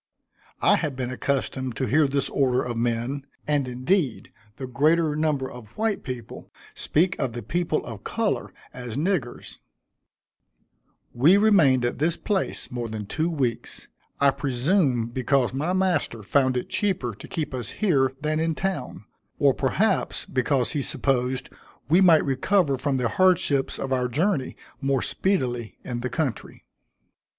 I had been accustomed to hear this order of men, and indeed the greater number of white people speak of the people of color as niggers. We remained at this place more than two weeks; I presume because my master found it cheaper to keep us here than in town, or perhaps, because he supposed we might recover from the hardships of our journey more speedily in the country.